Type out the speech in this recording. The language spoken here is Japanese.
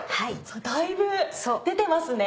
だいぶ出てますね。